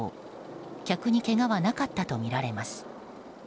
客にけがはなかったとみられます。